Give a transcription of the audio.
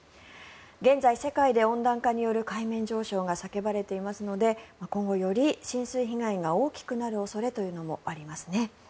現在、世界で温暖化による海面上昇が叫ばれていますので今後より浸水被害が大きくなる恐れというのもありますね。